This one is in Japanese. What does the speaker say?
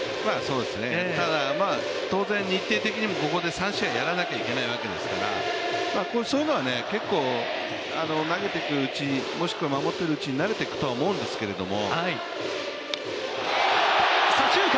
ただ、当然日程的にもここで３試合やらなければいけないわけですからそういうのは結構、投げていくうち、もしくは守っていくうちに慣れていくとは思うんですけれども。